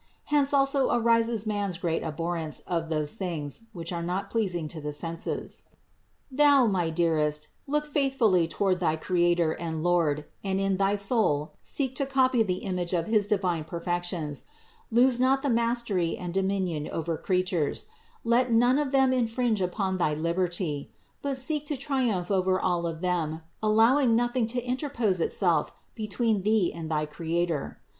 Hence also arises man's great abhorrence of those things which are not pleasing to the senses. 26. Thou, my dearest, look faithfully toward thy Cre ator and Lord and in thy soul seek to copy the image of his divine perfections : lose not the mastery and dominion over creatures, let none of them infringe upon thy liberty; but seek to triumph over all of them, allowing nothing to interpose itself between thee and thy Creator.